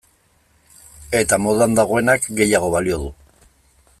Eta modan dagoenak gehiago balio du.